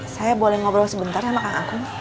saya boleh ngobrol sebentar sama kakak aku